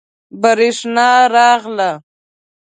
بریښنا راغله